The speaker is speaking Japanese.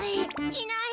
いない！